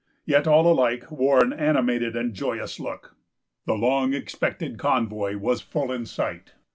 Yet all alike wore an animated and joyous look. The long expected convoy was full in sight.